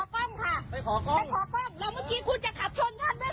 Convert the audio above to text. แล้วเมื่อกี้คุณธรรมนา